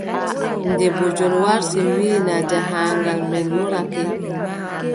Nde bojel warti, wii, naa jahaangal men lorake?